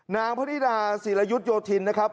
พระนิดาศิรยุทธโยธินนะครับ